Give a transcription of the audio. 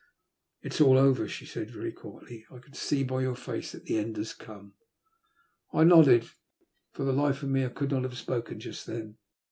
" It is all over," she said, very quietly. " I can see by your face that the end has come." I nodded. For the hfe of me, I could not have spoken just then.